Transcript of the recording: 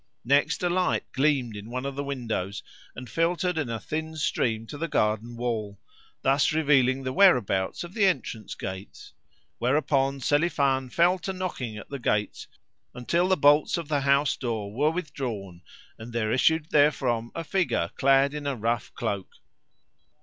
Next, a light gleamed in one of the windows, and filtered in a thin stream to the garden wall thus revealing the whereabouts of the entrance gates; whereupon Selifan fell to knocking at the gates until the bolts of the house door were withdrawn and there issued therefrom a figure clad in a rough cloak.